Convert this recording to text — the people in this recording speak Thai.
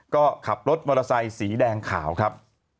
ก็ขับรถมอเตอร์ไซค์สีแดงขาวครับ